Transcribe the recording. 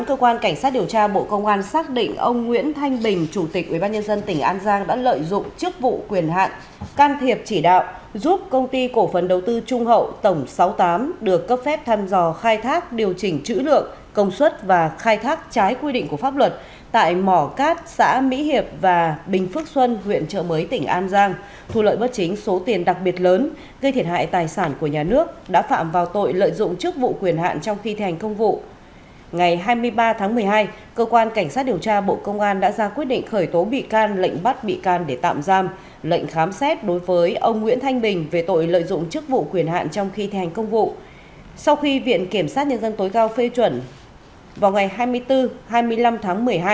cơ quan cảnh sát điều tra bộ công an đang điều tra vụ án vi phạm quy định về nghiên cứu thăm dò khai thác tài nguyên đưa hối lộ nhận hối lộ lợi dụng chức vụ quyền hạn trong khi thi hành công vụ xảy ra tại công ty cổ phần đầu tư trung hậu tổng sáu mươi tám sở tài nguyên và môi trường tỉnh an giang và các đơn vị liên quan